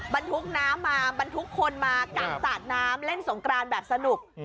มันทุกข์น้ำมามันทุกข์คนมากางตากน้ำเล่นสงกรานแบบสนุก